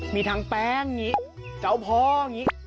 มีทั้งแป้งอย่างนี้เจ้าพ่ออย่างนี้